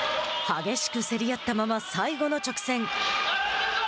激しく競り合ったまま最後の直線。